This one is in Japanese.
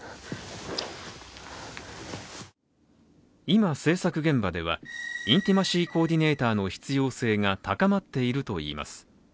今、制作現場ではインティマシー・コーディネーターの必要性が高まっているといいます。